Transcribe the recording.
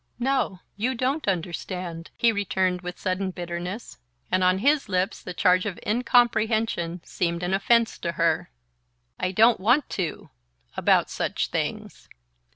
"No; you don't understand," he returned with sudden bitterness; and on his lips the charge of incomprehension seemed an offense to her. "I don't want to about such things!"